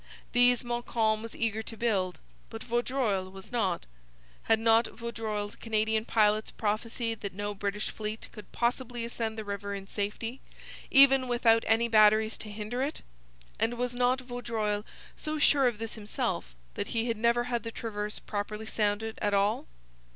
These Montcalm was eager to build, but Vaudreuil was not. Had not Vaudreuil's Canadian pilots prophesied that no British fleet could possibly ascend the river in safety, even without any batteries to hinder it? And was not Vaudreuil so sure of this himself that he had never had the Traverse properly sounded at all?